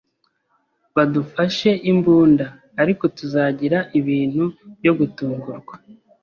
Badufashe imbunda, ariko tuzagira ibintu byo gutungurwa.